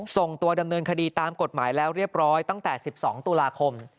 ส่งตัวดำเนินคดีตามกฎหมายแล้วเรียบร้อยตั้งแต่๑๒ตุลาคม